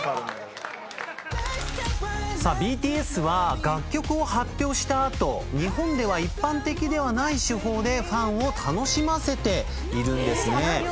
ＢＴＳは楽曲を発表した後日本では一般的ではない手法でファンを楽しませているんですね。